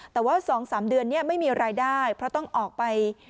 แต่ว่า๒๓เดือนนี้ไม่มีรายได้เพราะต้องออกไป